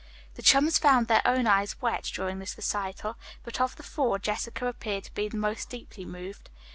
The chums found their own eyes wet, during this recital, but of the four, Jessica appeared to be the most deeply moved.